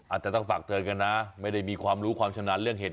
อาจจะต้องฝากเตือนกันนะไม่ได้มีความรู้ความชำนาญเรื่องเหตุ